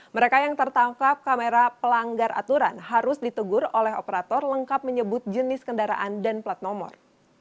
mereka yang tertangkap kamera pelanggar aturan harus ditegur oleh operator lengkap menyebut jenis kendaraan dan plat nomor